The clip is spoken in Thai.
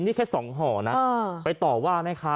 นี่แค่สองห่อน่ะเออไปต่อว่าไหมคะ